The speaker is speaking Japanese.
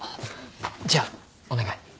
じゃあお願い。